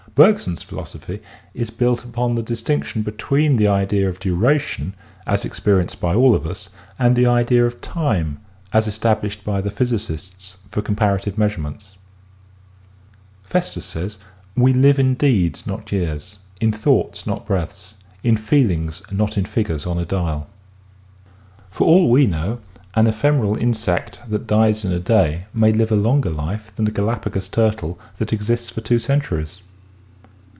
Bergson's philosophy is built upon the distinction be tween the idea of duration as experienced by all of us and the idea of time as established by the physicists for comparative measurements. We live in deeds not years ; in thoughts not breaths ; In feelings not in figures on a dial. — Festus. For all we know an ephemeral insect that dies in a day may live a longer life than a Galapagos turtle that exists for two centuries.